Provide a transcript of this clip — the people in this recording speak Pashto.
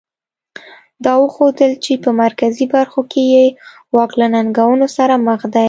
دا وښودل چې په مرکزي برخو کې یې واک له ننګونو سره مخ دی.